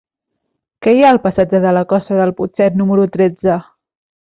Què hi ha al passatge de la Costa del Putxet número tretze?